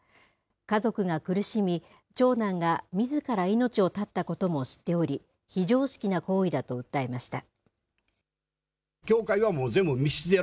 家族が苦しみ、長男がみずから命を絶ったことも知っており、非常識な行為だと訴えました。